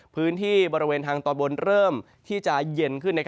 พื้นที่บริเวณทางตอนบนเริ่มที่จะเย็นขึ้น